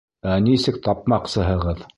Ә нисек тапмаҡсыһығыҙ?